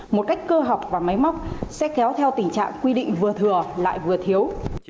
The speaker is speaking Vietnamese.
một cách cơ học và máy móc sẽ kéo theo tình trạng quy định vừa thừa lại vừa thiếu